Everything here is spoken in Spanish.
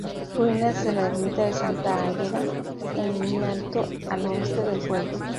Ruinas de la ermita de Santa Águeda, en un alto, al oeste del pueblo.